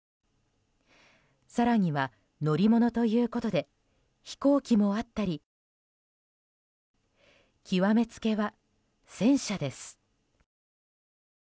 更には、乗り物ということで飛行機もあったり極めつけは、戦車です。